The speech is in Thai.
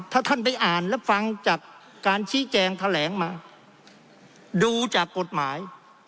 ถ้าท่านไปอ่านและฟังจากการชี้แจงแถลงมาดูจากกฎหมาย